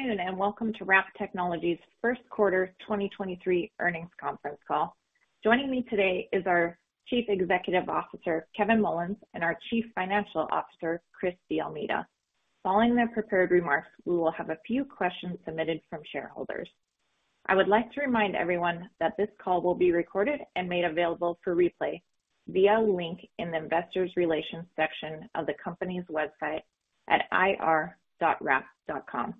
Good afternoon, and welcome to Wrap Technologies' first quarter 2023 earnings conference call. Joining me today is our Chief Executive Officer, Kevin Mullins, and our Chief Financial Officer, Chris DeAlmeida. Following their prepared remarks, we will have a few questions submitted from shareholders. I would like to remind everyone that this call will be recorded and made available for replay via a link in the investor relations section of the company's website at ir.wrap.com.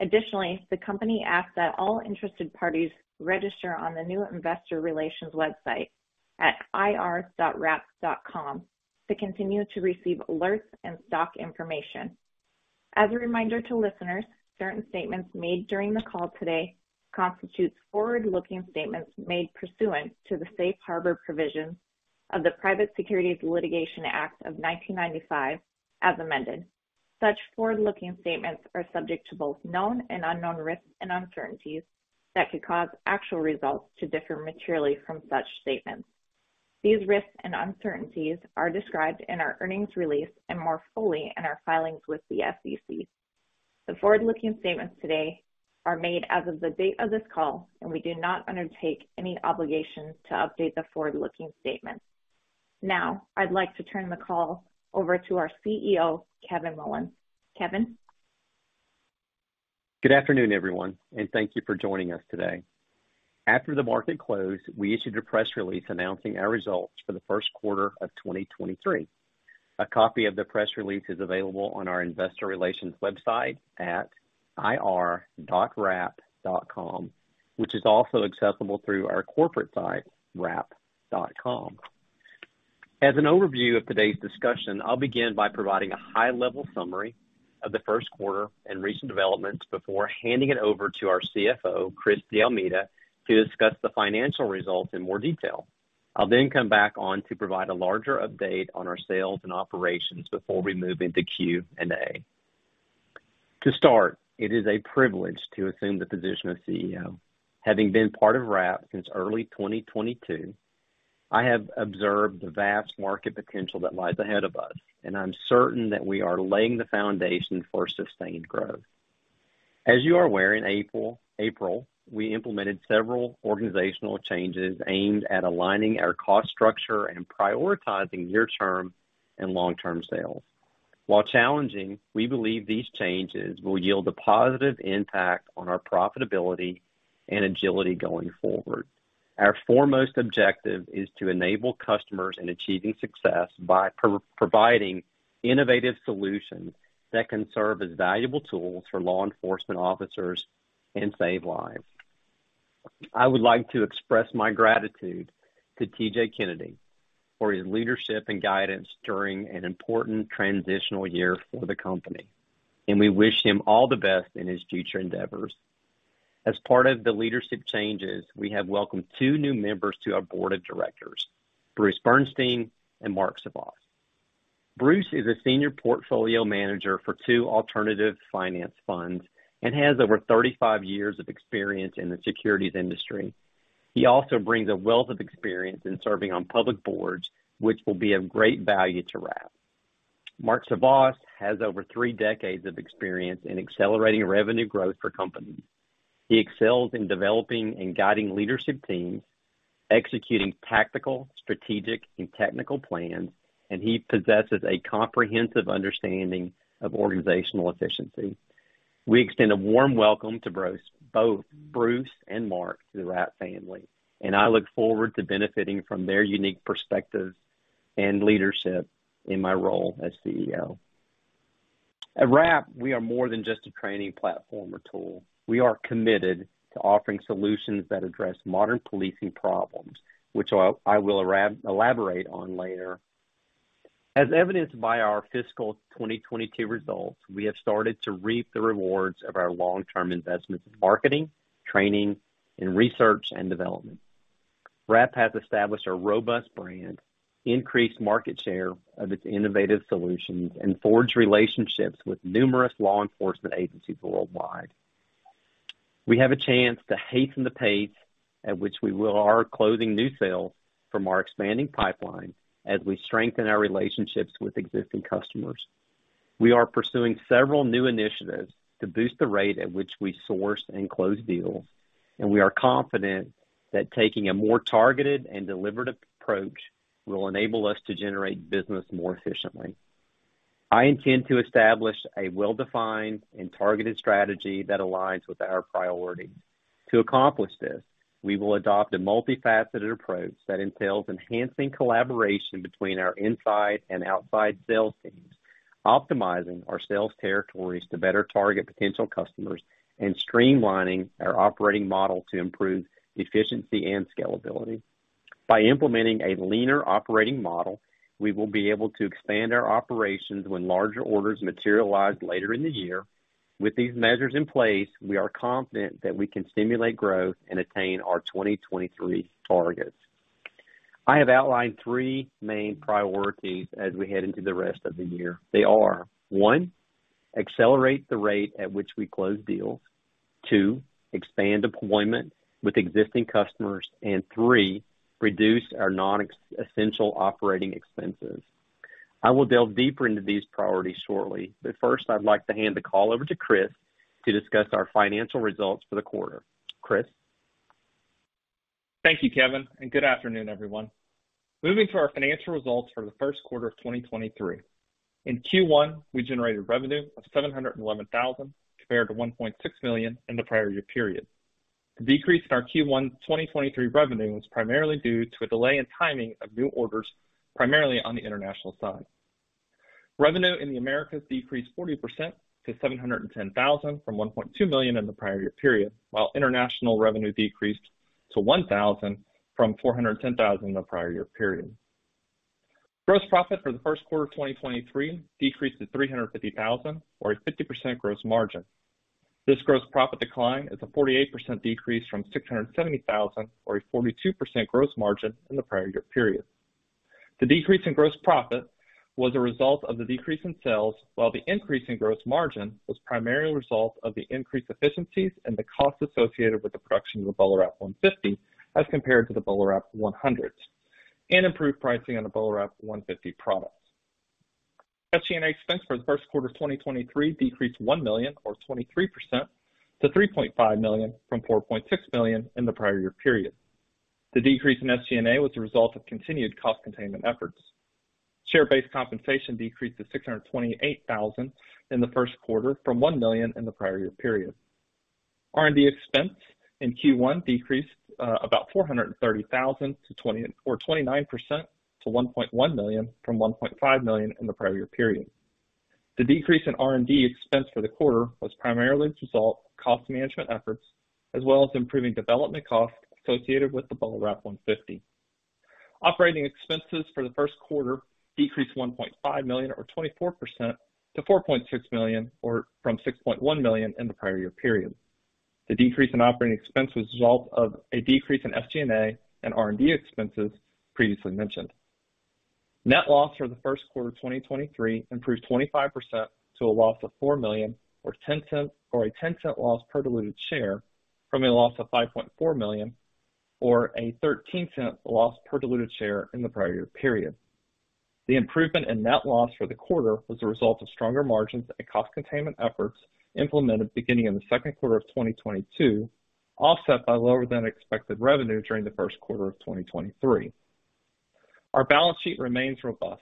Additionally, the company asks that all interested parties register on the new investor relations website at ir.wrap.com to continue to receive alerts and stock information. As a reminder to listeners, certain statements made during the call today constitute forward-looking statements made pursuant to the Safe Harbor provisions of the Private Securities Litigation Reform Act of 1995, as amended. Such forward-looking statements are subject to both known and unknown risks and uncertainties that could cause actual results to differ materially from such statements. These risks and uncertainties are described in our earnings release and more fully in our filings with the SEC. The forward-looking statements today are made as of the date of this call, and we do not undertake any obligation to update the forward-looking statements. Now, I'd like to turn the call over to our CEO, Kevin Mullins. Kevin? Good afternoon, everyone, thank you for joining us today. After the market closed, we issued a press release announcing our results for the first quarter of 2023. A copy of the press release is available on our investor relations website at ir.wrap.com, which is also accessible through our corporate site, wrap.com. As an overview of today's discussion, I'll begin by providing a high-level summary of the first quarter and recent developments before handing it over to our CFO, Chris DeAlmeida, to discuss the financial results in more detail. I'll then come back on to provide a larger update on our sales and operations before we move into Q&A. To start, it is a privilege to assume the position of CEO. Having been part of Wrap since early 2022, I have observed the vast market potential that lies ahead of us, and I'm certain that we are laying the foundation for sustained growth. As you are aware, in April, we implemented several organizational changes aimed at aligning our cost structure and prioritizing near-term and long-term sales. While challenging, we believe these changes will yield a positive impact on our profitability and agility going forward. Our foremost objective is to enable customers in achieving success by providing innovative solutions that can serve as valuable tools for law enforcement officers and save lives. I would like to express my gratitude to TJ Kennedy for his leadership and guidance during an important transitional year for the company, and we wish him all the best in his future endeavors. As part of the leadership changes, we have welcomed two new members to our board of directors, Bruce Bernstein and Marc Savas. Bruce is a senior portfolio manager for two alternative finance funds and has over 35 years of experience in the securities industry. He also brings a wealth of experience in serving on public boards, which will be of great value to Wrap. Marc Savas has over three decades of experience in accelerating revenue growth for companies. He excels in developing and guiding leadership teams, executing tactical, strategic, and technical plans, and he possesses a comprehensive understanding of organizational efficiency. We extend a warm welcome to both Bruce and Marc to the Wrap family, and I look forward to benefiting from their unique perspectives and leadership in my role as CEO. At Wrap, we are more than just a training platform or tool. We are committed to offering solutions that address modern policing problems, which I will elaborate on later. As evidenced by our fiscal 2022 results, we have started to reap the rewards of our long-term investments in marketing, training, and research and development. Wrap has established a robust brand, increased market share of its innovative solutions, and forged relationships with numerous law enforcement agencies worldwide. We have a chance to hasten the pace at which we are closing new sales from our expanding pipeline as we strengthen our relationships with existing customers. We are pursuing several new initiatives to boost the rate at which we source and close deals. We are confident that taking a more targeted and deliberate approach will enable us to generate business more efficiently. I intend to establish a well-defined and targeted strategy that aligns with our priorities. To accomplish this, we will adopt a multifaceted approach that entails enhancing collaboration between our inside and outside sales teams, optimizing our sales territories to better target potential customers, and streamlining our operating model to improve efficiency and scalability. By implementing a leaner operating model, we will be able to expand our operations when larger orders materialize later in the year. With these measures in place, we are confident that we can stimulate growth and attain our 2023 targets. I have outlined three main priorities as we head into the rest of the year. They are, one, accelerate the rate at which we close deals. Two, expand deployment with existing customers. Three, reduce our non-essential operating expenses. I will delve deeper into these priorities shortly. First, I'd like to hand the call over to Chris to discuss our financial results for the quarter. Chris. Thank you, Kevin, and good afternoon, everyone. Moving to our financial results for the first quarter of 2023. In Q1, we generated revenue of $711,000 compared to $1.6 million in the prior year period. The decrease in our Q1 2023 revenue was primarily due to a delay in timing of new orders, primarily on the international side. Revenue in the Americas decreased 40% to $710,000 from $1.2 million in the prior year period, while international revenue decreased to $1,000 from $410,000 in the prior year period. Gross profit for the first quarter of 2023 decreased to $350,000 or a 50% gross margin. This gross profit decline is a 48% decrease from $670,000 or a 42% gross margin in the prior year period. The decrease in gross profit was a result of the decrease in sales, while the increase in gross margin was primarily a result of the increased efficiencies and the costs associated with the production of the BolaWrap 150 as compared to the BolaWrap 100s, and improved pricing on the BolaWrap 150 products. SG&A expense for the first quarter of 2023 decreased $1 million or 23% to $3.5 million from $4.6 million in the prior year period. The decrease in SG&A was a result of continued cost containment efforts. Share-based compensation decreased to $628,000 in the first quarter from $1 million in the prior year period. R&D expense in Q1 decreased about $430,000 or 29% to $1.1 million from $1.5 million in the prior year period. The decrease in R&D expense for the quarter was primarily a result of cost management efforts, as well as improving development costs associated with the BolaWrap 150. Operating expenses for the first quarter decreased $1.5 million or 24% to $4.6 million, or from $6.1 million in the prior year period. The decrease in operating expense was a result of a decrease in SG&A and R&D expenses previously mentioned. Net loss for the first quarter of 2023 improved 25% to a loss of $4 million or a $0.10 loss per diluted share from a loss of $5.4 million or a $0.13 loss per diluted share in the prior year period. The improvement in net loss for the quarter was a result of stronger margins and cost containment efforts implemented beginning in the second quarter of 2022, offset by lower than expected revenue during the first quarter of 2023. Our balance sheet remains robust,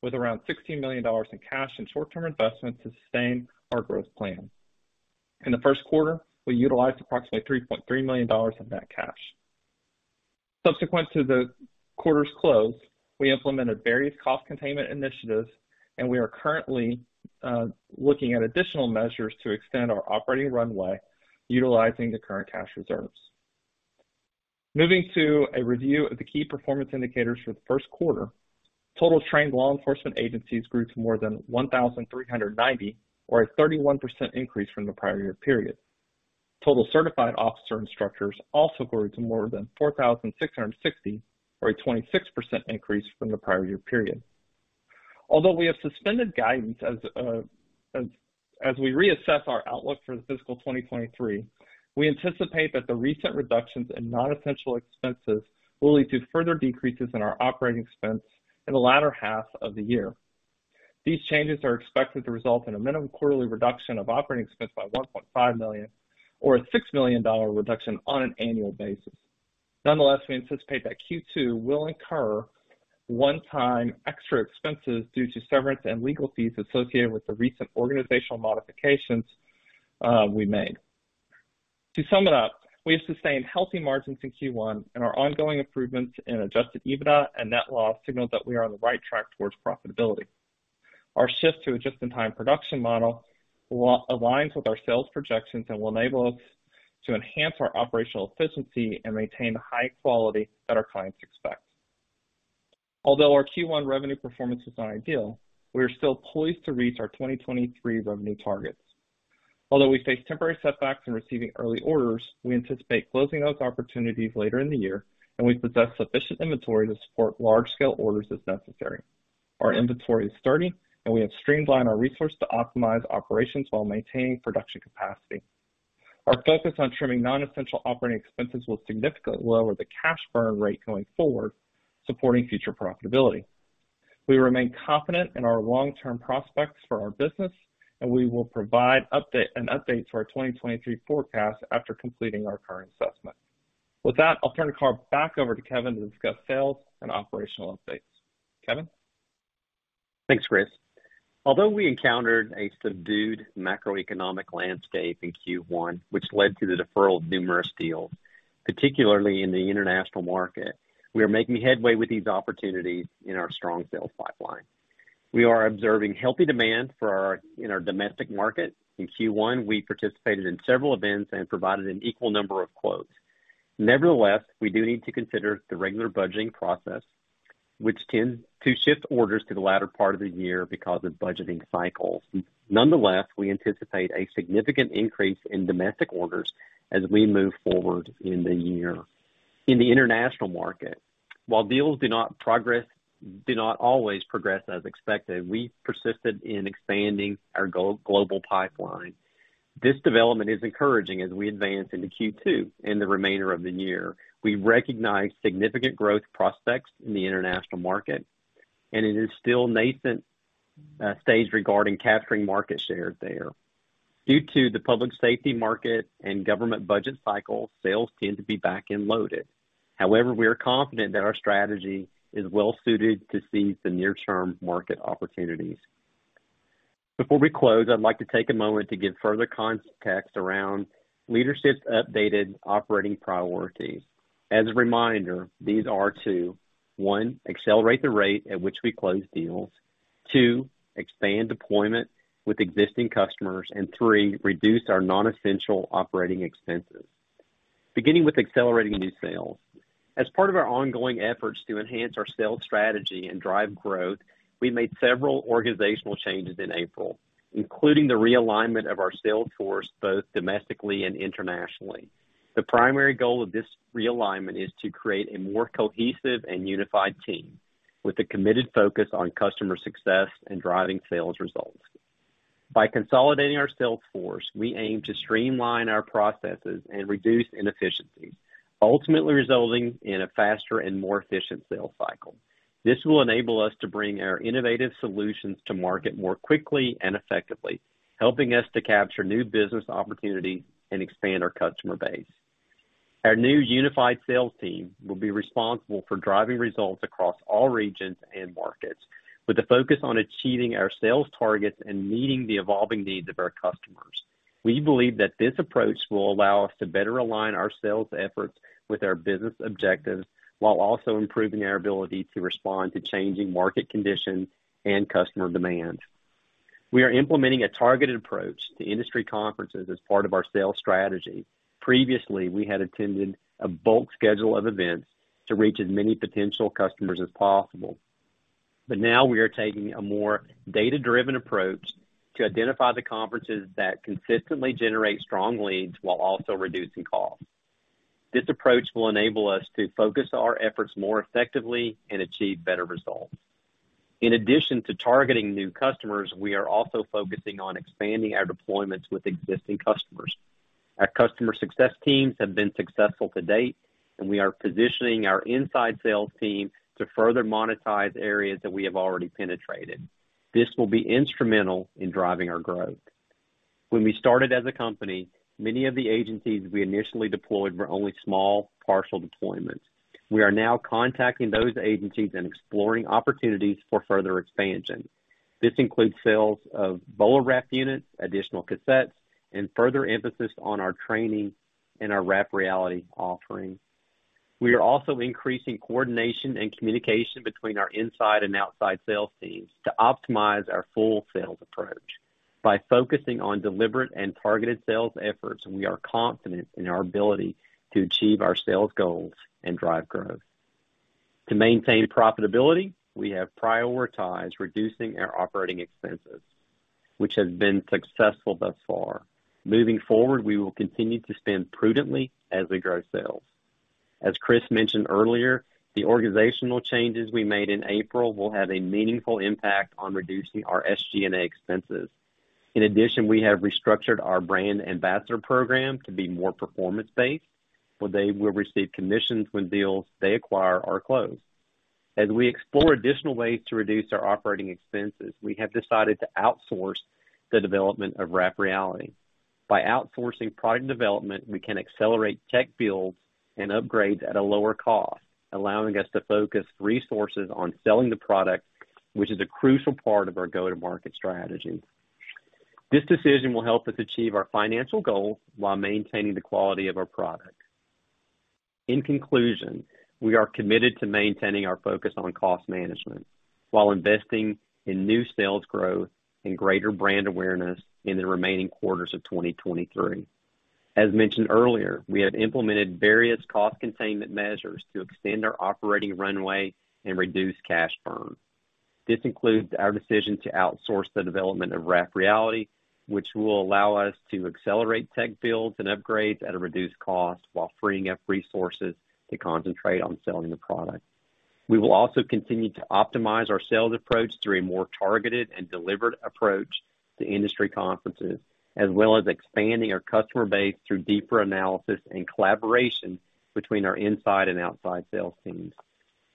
with around $16 million in cash and short-term investments to sustain our growth plan. In the first quarter, we utilized approximately $3.3 million of that cash. Subsequent to the quarter's close, we implemented various cost containment initiatives, and we are currently looking at additional measures to extend our operating runway utilizing the current cash reserves. Moving to a review of the key performance indicators for the first quarter. Total trained law enforcement agencies grew to more than 1,390, or a 31% increase from the prior year period. Total certified officer instructors also grew to more than 4,660 or a 26% increase from the prior year period. Although we have suspended guidance as we reassess our outlook for fiscal 2023, we anticipate that the recent reductions in non-essential expenses will lead to further decreases in our operating expenses in the latter half of the year. These changes are expected to result in a minimum quarterly reduction of operating expense by $1.5 million or a $6 million reduction on an annual basis. Nonetheless, we anticipate that Q2 will incur one-time extra expenses due to severance and legal fees associated with the recent organizational modifications we made. To sum it up, we have sustained healthy margins in Q1 and our ongoing improvements in adjusted EBITDA and net loss signal that we are on the right track towards profitability. Our shift to a just-in-time production model will aligns with our sales projections and will enable us to enhance our operational efficiency and maintain the high quality that our clients expect. Although our Q1 revenue performance is not ideal, we are still poised to reach our 2023 revenue targets. Although we face temporary setbacks in receiving early orders, we anticipate closing those opportunities later in the year, and we possess sufficient inventory to support large-scale orders as necessary. Our inventory is sturdy, and we have streamlined our resources to optimize operations while maintaining production capacity. Our focus on trimming non-essential operating expenses will significantly lower the cash burn rate going forward, supporting future profitability. We remain confident in our long-term prospects for our business, and we will provide an update to our 2023 forecast after completing our current assessment. With that, I'll turn the call back over to Kevin to discuss sales and operational updates. Kevin. Thanks, Chris. Although we encountered a subdued macroeconomic landscape in Q1, which led to the deferral of numerous deals, particularly in the international market, we are making headway with these opportunities in our strong sales pipeline. We are observing healthy demand in our domestic market. In Q1, we participated in several events and provided an equal number of quotes. Nevertheless, we do need to consider the regular budgeting process, which tends to shift orders to the latter part of the year because of budgeting cycles. Nonetheless, we anticipate a significant increase in domestic orders as we move forward in the year. In the international market, while deals do not always progress as expected, we persisted in expanding our global pipeline. This development is encouraging as we advance into Q2 and the remainder of the year. We recognize significant growth prospects in the international market, and it is still nascent stage regarding capturing market share there. Due to the public safety market and government budget cycle, sales tend to be back-end loaded. However, we are confident that our strategy is well-suited to seize the near-term market opportunities. Before we close, I'd like to take a moment to give further context around leadership's updated operating priorities. As a reminder, these are to, one, accelerate the rate at which we close deals, two, expand deployment with existing customers, and three, reduce our non-essential operating expenses. Beginning with accelerating new sales. As part of our ongoing efforts to enhance our sales strategy and drive growth, we made several organizational changes in April, including the realignment of our sales force, both domestically and internationally. The primary goal of this realignment is to create a more cohesive and unified team with a committed focus on customer success and driving sales results. By consolidating our sales force, we aim to streamline our processes and reduce inefficiencies, ultimately resulting in a faster and more efficient sales cycle. This will enable us to bring our innovative solutions to market more quickly and effectively, helping us to capture new business opportunities and expand our customer base. Our new unified sales team will be responsible for driving results across all regions and markets with a focus on achieving our sales targets and meeting the evolving needs of our customers. We believe that this approach will allow us to better align our sales efforts with our business objectives, while also improving our ability to respond to changing market conditions and customer demand. We are implementing a targeted approach to industry conferences as part of our sales strategy. Previously, we had attended a bulk schedule of events to reach as many potential customers as possible. Now we are taking a more data-driven approach to identify the conferences that consistently generate strong leads while also reducing costs. This approach will enable us to focus our efforts more effectively and achieve better results. In addition to targeting new customers, we are also focusing on expanding our deployments with existing customers. Our customer success teams have been successful to date, and we are positioning our inside sales team to further monetize areas that we have already penetrated. This will be instrumental in driving our growth. When we started as a company, many of the agencies we initially deployed were only small, partial deployments. We are now contacting those agencies and exploring opportunities for further expansion. This includes sales of BolaWrap units, additional cassettes, and further emphasis on our training and our WrapReality offering. We are also increasing coordination and communication between our inside and outside sales teams to optimize our full sales approach. By focusing on deliberate and targeted sales efforts, we are confident in our ability to achieve our sales goals and drive growth. To maintain profitability, we have prioritized reducing our operating expenses, which has been successful thus far. Moving forward, we will continue to spend prudently as we grow sales. As Chris mentioned earlier, the organizational changes we made in April will have a meaningful impact on reducing our SG&A expenses. In addition, we have restructured our brand ambassador program to be more performance-based, where they will receive commissions when deals they acquire are closed. As we explore additional ways to reduce our operating expenses, we have decided to outsource the development of WrapReality. By outsourcing product development, we can accelerate tech builds and upgrades at a lower cost, allowing us to focus resources on selling the product, which is a crucial part of our go-to-market strategy. This decision will help us achieve our financial goals while maintaining the quality of our product. In conclusion, we are committed to maintaining our focus on cost management while investing in new sales growth and greater brand awareness in the remaining quarters of 2023. As mentioned earlier, we have implemented various cost containment measures to extend our operating runway and reduce cash burn. This includes our decision to outsource the development of WrapReality, which will allow us to accelerate tech builds and upgrades at a reduced cost while freeing up resources to concentrate on selling the product. We will also continue to optimize our sales approach through a more targeted and deliberate approach to industry conferences, as well as expanding our customer base through deeper analysis and collaboration between our inside and outside sales teams.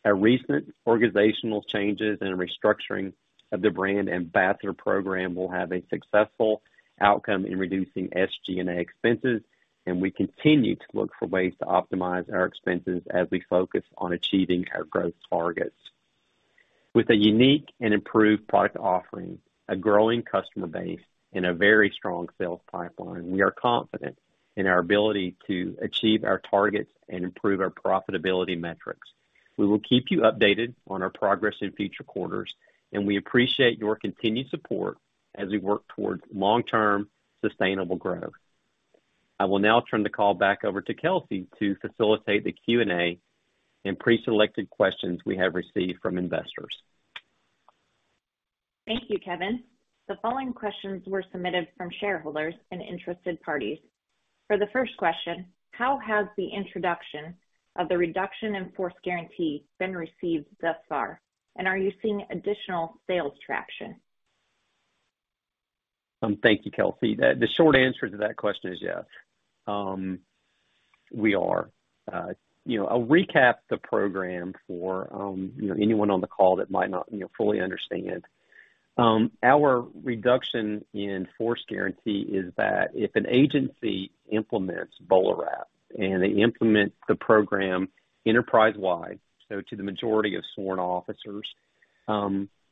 Our recent organizational changes and restructuring of the brand ambassador program will have a successful outcome in reducing SG&A expenses. We continue to look for ways to optimize our expenses as we focus on achieving our growth targets. With a unique and improved product offering, a growing customer base, and a very strong sales pipeline, we are confident in our ability to achieve our targets and improve our profitability metrics. We will keep you updated on our progress in future quarters. We appreciate your continued support as we work towards long-term sustainable growth. I will now turn the call back over to Kelsey to facilitate the Q&A and pre-selected questions we have received from investors. Thank you, Kevin. The following questions were submitted from shareholders and interested parties. For the first question, how has the introduction of the Reduction in Force Guarantee been received thus far? Are you seeing additional sales traction? Thank you, Kelsey. The short answer to that question is yes. We are. You know, I'll recap the program for, you know, anyone on the call that might not, you know, fully understand. Our reduction in force Guarantee is that if an agency implements BolaWrap and they implement the program enterprise-wide, so to the majority of sworn officers,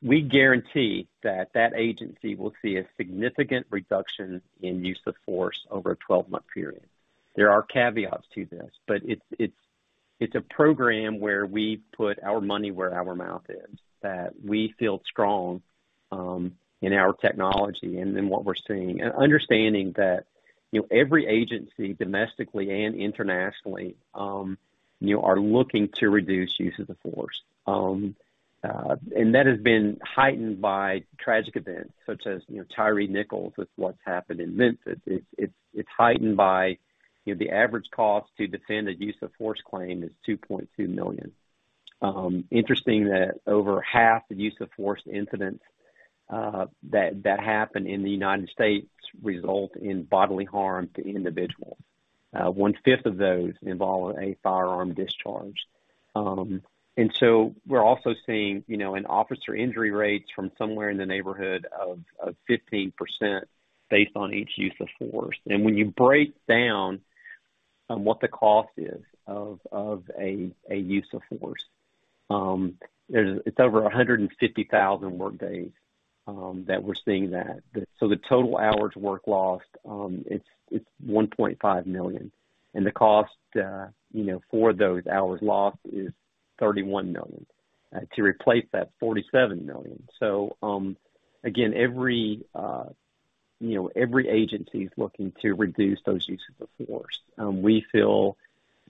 we guarantee that that agency will see a significant reduction in use of force over a 12-month period. There are caveats to this, but it's a program where we put our money where our mouth is, that we feel strong in our technology and in what we're seeing. Understanding that, you know, every agency, domestically and internationally, you know, are looking to reduce use-of-the-force. That has been heightened by tragic events such as, you know, Tyre Nichols, with what's happened in Memphis. It's heightened by, you know, the average cost to defend a use-of-force claim is $2.2 million. Interesting that over half the use-of-force incidents that happen in the United States result in bodily harm to individuals. One-fifth of those involve a firearm discharge. We're also seeing, you know, an officer injury rates from somewhere in the neighborhood of 15% based on each use-of-force. When you break down what the cost is of a use-of-force, it's over 150,000 work days that we're seeing that. The total hours work lost, it's $1.5 million, and the cost, you know, for those hours lost is $31 million. To replace that, $47 million. Again, every, you know, every agency is looking to reduce those uses of force. We feel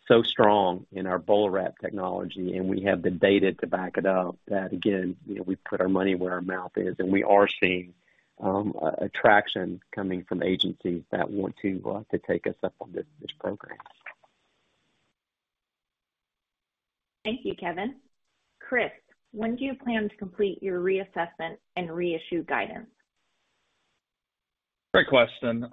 so strong in our BolaWrap technology, and we have the data to back it up, that again, you know, we put our money where our mouth is, and we are seeing traction coming from agencies that want to take us up on this program. Thank you, Kevin. Chris, when do you plan to complete your reassessment and reissue guidance? Great question.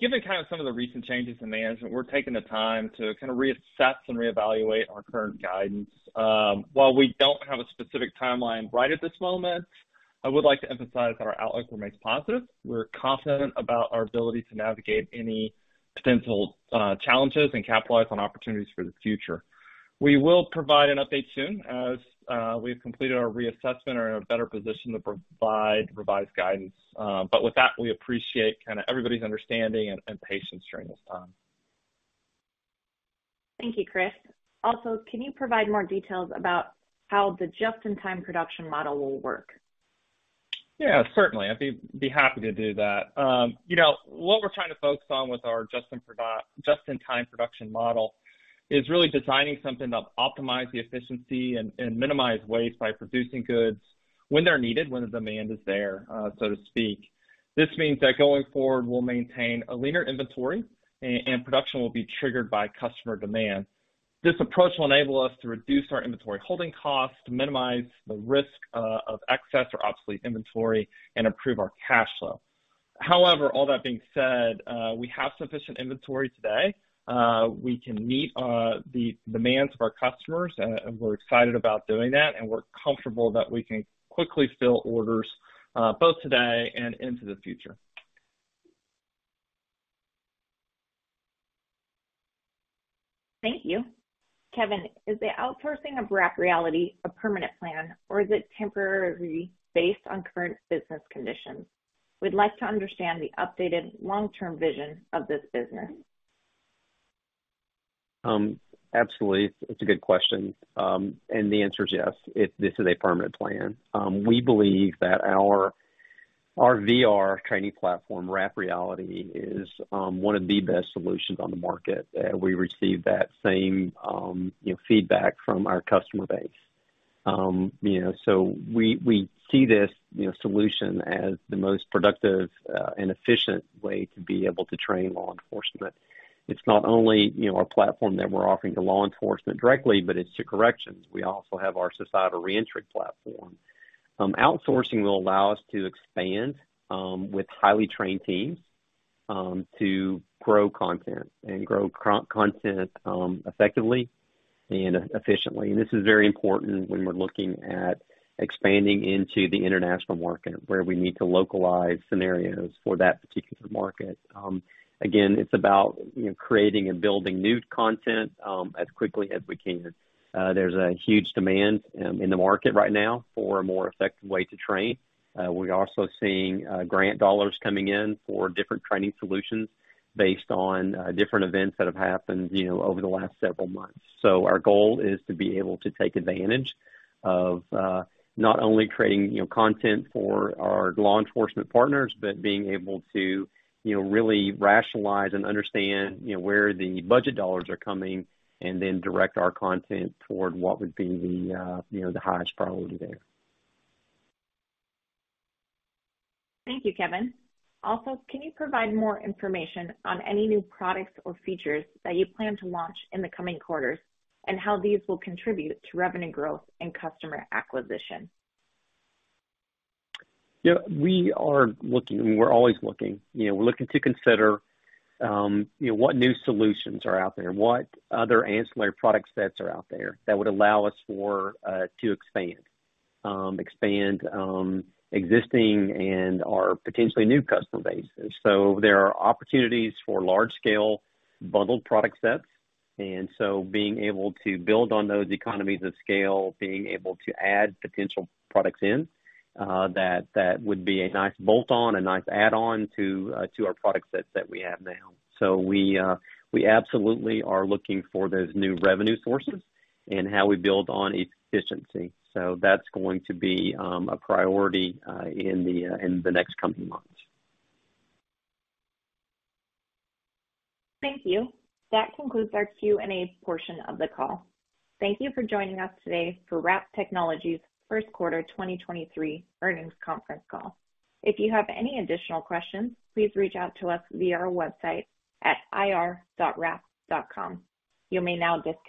Given kind of some of the recent changes in management, we're taking the time to kind of reassess and reevaluate our current guidance. While we don't have a specific timeline right at this moment, I would like to emphasize that our outlook remains positive. We're confident about our ability to navigate any potential challenges and capitalize on opportunities for the future. We will provide an update soon as we've completed our reassessment and are in a better position to provide revised guidance. With that, we appreciate kinda everybody's understanding and patience during this time. Thank you, Chris. Also, can you provide more details about how the just-in-time production model will work? Yeah, certainly. I'd be happy to do that. You know, what we're trying to focus on with our just-in-time production model is really designing something to optimize the efficiency and minimize waste by producing goods when they're needed, when the demand is there, so to speak. This means that going forward, we'll maintain a leaner inventory and production will be triggered by customer demand. This approach will enable us to reduce our inventory holding costs, to minimize the risk of excess or obsolete inventory, and improve our cash flow. All that being said, we have sufficient inventory today. We can meet the demands of our customers, and we're excited about doing that, and we're comfortable that we can quickly fill orders both today and into the future. Thank you. Kevin, is the outsourcing of WrapReality a permanent plan or is it temporary based on current business conditions? We'd like to understand the updated long-term vision of this business. Absolutely. It's a good question. The answer is yes, this is a permanent plan. We believe that our VR training platform, WrapReality, is one of the best solutions on the market. We receive that same, you know, feedback from our customer base. You know, we see this, you know, solution as the most productive and efficient way to be able to train law enforcement. It's not only, you know, a platform that we're offering to law enforcement directly, but it's to corrections. We also have our Societal Reentry platform. Outsourcing will allow us to expand with highly trained teams to grow content and grow content effectively and efficiently. This is very important when we're looking at expanding into the international market, where we need to localize scenarios for that particular market. Able to take advantage of not only creating content for our law enforcement partners, but being able to really rationalize and understand where the budget dollars are coming, and then direct our content toward what would be the highest priority there. Thank you, Kevin. Also, can you provide more information on any new products or features that you plan to launch in the coming quarters and how these will contribute to revenue growth and customer acquisition? Yeah. We are looking. We're always looking. You know, we're looking to consider, you know, what new solutions are out there, what other ancillary product sets are out there that would allow us for to expand. Expand existing and our potentially new customer base. There are opportunities for large-scale bundled product sets, being able to build on those economies of scale, being able to add potential products in that would be a nice bolt-on, a nice add-on to our product sets that we have now. We absolutely are looking for those new revenue sources and how we build on efficiency. That's going to be a priority in the next coming months. Thank you. That concludes our Q&A portion of the call. Thank you for joining us today for Wrap Technologies' first quarter 2023 earnings conference call. If you have any additional questions, please reach out to us via our website at ir.wrap.com. You may now disconnect.